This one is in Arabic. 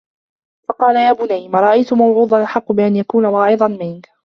فَقَالَ يَا بُنَيَّ مَا رَأَيْتُ مَوْعُوظًا أَحَقَّ بِأَنْ يَكُونَ وَاعِظًا مِنْك